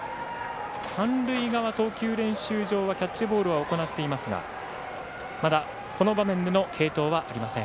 三塁側投球練習場はキャッチボールは行っていますがまだこの場面での継投はありません。